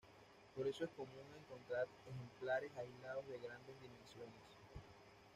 Por eso es común encontrar ejemplares aislados de grandes dimensiones.